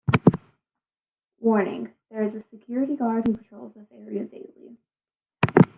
Warning, there is a security guard who patrols the area daily.